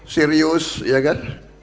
serius iya kan